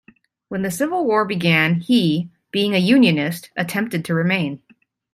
When the Civil War began he, being a Unionist, attempted to remain.